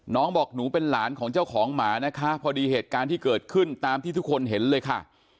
น้องบอกหนูเป็นหลานของเจ้าของหมานะคะพอดีเหตุการณ์ที่เกิดขึ้นตามที่ทุกคนเห็นเลยค่ะ